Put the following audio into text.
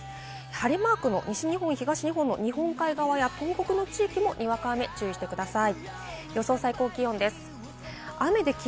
晴れマークの西日本、東日本の日本海側や東北の地域もにわか雨、注意してください。